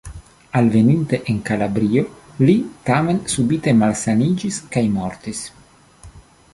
Alveninte en Kalabrio li tamen subite malsaniĝis kaj mortis.